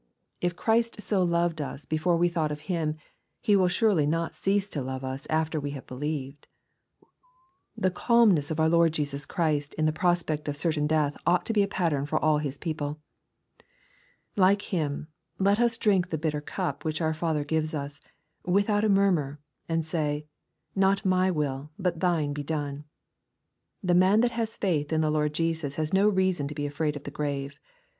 If Christ so loved us before we thought of Him, He will surely not cease to love us after we have believed. The calmness of our Lord Jesus Christ in the prospect of certain death ought to be a pattern to all His people Like Him, let us drink the bitter cup which our Fathei gives us, without a murmur, and say, " not my will but thine be done/' The man that has faith in the Lord Jesus has no reason to be afraid of the grave.